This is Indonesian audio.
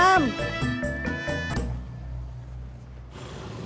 ada apa mbak